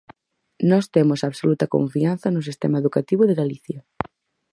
Nós temos absoluta confianza no sistema educativo de Galicia.